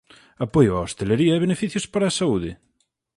Apoio á hostalería e beneficios para a saúde.